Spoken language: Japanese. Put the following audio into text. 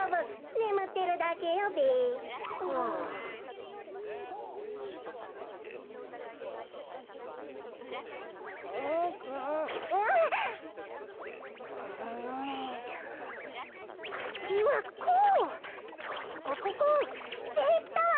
できたわ！